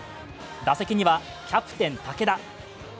打席にはキャプテン・武田。